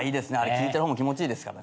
聞いてる方も気持ちいいですからね。